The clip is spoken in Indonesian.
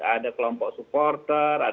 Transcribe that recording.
ada kelompok supporter